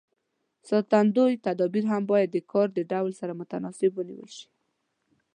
ساتندوی تدابیر هم باید د کار د ډول سره متناسب ونیول شي.